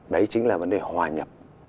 đấy chính là vấn đề hòa nhập